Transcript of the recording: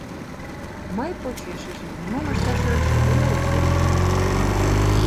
Мый – почешыже, нимом ышташ ӧршӧ Лео – почешна.